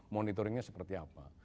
monitoringnya seperti apa